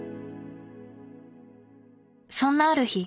そんなある日